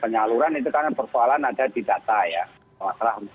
penyaluran itu karena persoalan ada di data